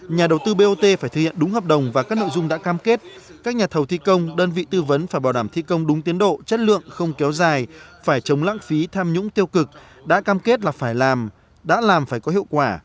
nhà đầu tư bot phải thực hiện đúng hợp đồng và các nội dung đã cam kết các nhà thầu thi công đơn vị tư vấn phải bảo đảm thi công đúng tiến độ chất lượng không kéo dài phải chống lãng phí tham nhũng tiêu cực đã cam kết là phải làm đã làm phải có hiệu quả